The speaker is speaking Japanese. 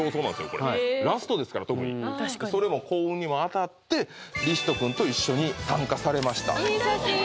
これラストですから特にそれも幸運にも当たってりひと君と一緒に参加されましたいい写真！